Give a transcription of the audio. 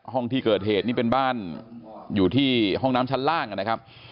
ห้องที่เกิดเหตุนี่เป็นบ้านอยู่ที่ห้องน้ำชั้นล่างนะครับ